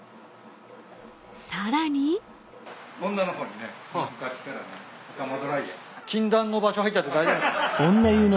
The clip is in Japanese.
［さらに］禁断の場所入っちゃって大丈夫っすか？